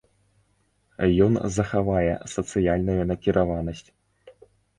Ён захавае сацыяльную накіраванасць.